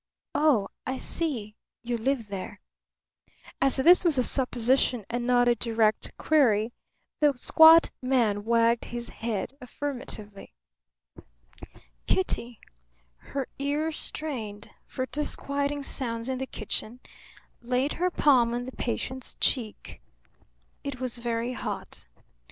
"Oh, I see. You live there." As this was a supposition and not a direct query, the squat man wagged his head affirmatively. Kitty, her ears strained for disquieting sounds in the kitchen, laid her palm on the patient's cheek. It was very hot.